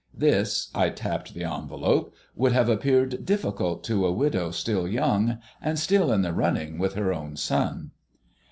This" I tapped the envelope "would have appeared difficult to a widow still young, and still in the running with her own son."